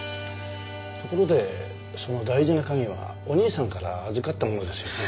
ところでその大事な鍵はお兄さんから預かったものですよね？